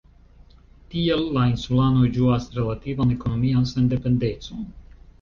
Tiel la insulanoj ĝuas relativan ekonomian sendependecon.